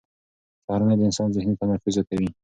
سهارنۍ د انسان ذهني تمرکز زیاتوي.